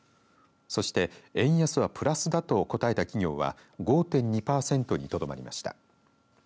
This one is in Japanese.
そして円安はプラスだと答えた企業は５．２パーセントにとどまりました。